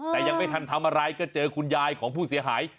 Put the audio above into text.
แต่ยังไม่ทันทำอะไรก็เจอคุณยายของผู้เสียหาย